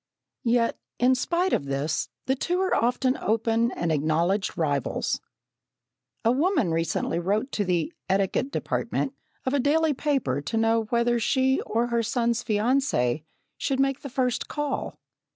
Yet, in spite of this, the two are often open and acknowledged rivals. A woman recently wrote to the "etiquette department" of a daily paper to know whether she or her son's fiancée should make the first call.